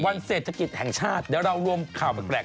เศรษฐกิจแห่งชาติเดี๋ยวเรารวมข่าวแปลก